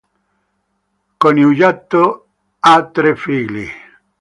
Coniugato, ha tre figli.